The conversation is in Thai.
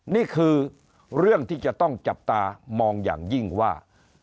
นี่คือเรื่องที่จะต้องจับตามองอย่างยิ่งว่า